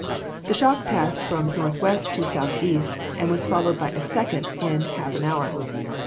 The shock passed from northwest to southeast, and was followed by a second in half an hour.